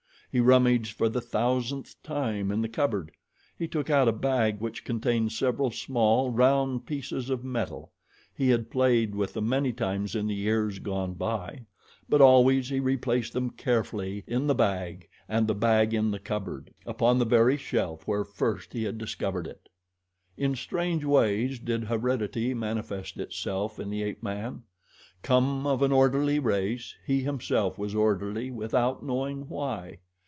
He rummaged for the thousandth time in the cupboard. He took out a bag which contained several small, round pieces of metal. He had played with them many times in the years gone by; but always he replaced them carefully in the bag, and the bag in the cupboard, upon the very shelf where first he had discovered it. In strange ways did heredity manifest itself in the ape man. Come of an orderly race, he himself was orderly without knowing why.